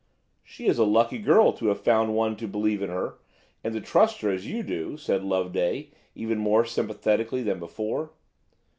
"She is a lucky girl to have found one to believe in her, and trust her as you do," said Loveday, even more sympathetically than before.